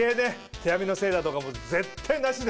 手編みのセーターとか絶対なしだよね。